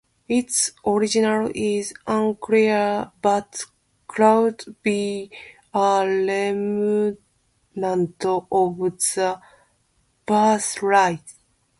Its origin is unclear, but could be a remnant of the British Raj.